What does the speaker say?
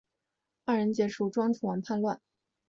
二人劫持楚庄王叛乱。